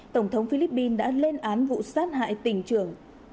tổng thống philippines đã lên án vụ sát hại tỉnh trường